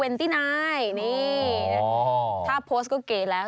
นี่ถ้าโพสต์ก็เกลียดแล้ว